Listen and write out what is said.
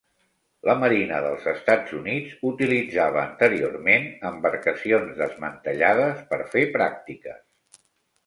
La Marina dels Estats Units utilitzava anteriorment embarcacions desmantellades per fer pràctiques.